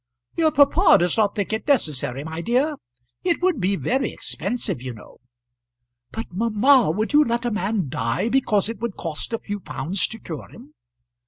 "Your papa does not think it necessary, my dear. It would be very expensive, you know." "But, mamma, would you let a man die because it would cost a few pounds to cure him?"